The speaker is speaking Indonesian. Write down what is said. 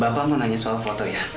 bapak mau nanya soal foto ya